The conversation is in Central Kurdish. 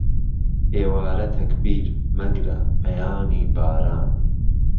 ئێواره تهکبیر، مهگره، بهیانی باران